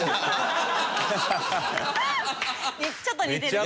ちょっと似てる。